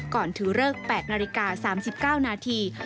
ถือเลิก๘นาฬิกา๓๙นาที